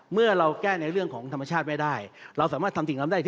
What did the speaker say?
เมื่อเราแก้ในเรื่องของธรรมชาติไม่ได้เราสามารถทำสิ่งนั้นได้